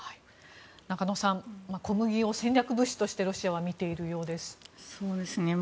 中野さん、小麦を戦略物資としてロシアは見ているようです。